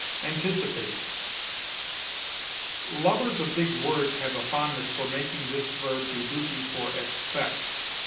ANTICIPATE. Lovers of big words have a fondness for making this verb do duty for expect.